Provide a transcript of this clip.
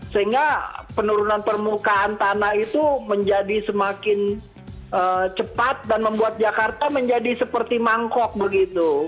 sehingga penurunan permukaan tanah itu menjadi semakin cepat dan membuat jakarta menjadi seperti mangkok begitu